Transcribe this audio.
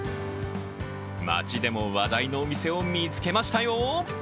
街でも話題のお店を見つけましたよ。